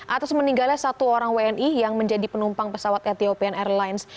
atas meninggalnya satu orang wni yang menjadi penumpang pesawat ethiopian airlines